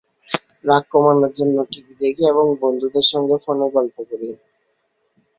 রাগ কমানোর জন্য টিভি দেখি এবং বন্ধুদের সঙ্গে ফোনে গল্প করি।